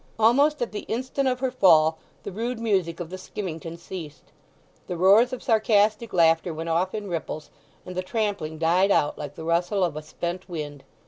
Almost at the instant of her fall the rude music of the skimmington ceased. The roars of sarcastic laughter went off in ripples, and the trampling died out like the rustle of a spent wind.